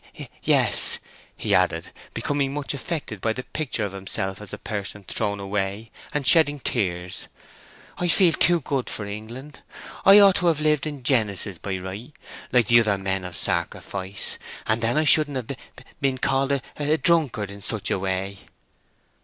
Y y y yes," he added, becoming much affected by the picture of himself as a person thrown away, and shedding tears; "I feel too good for England: I ought to have lived in Genesis by rights, like the other men of sacrifice, and then I shouldn't have b b been called a d d drunkard in such a way!"